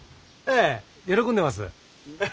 ええ喜んでます。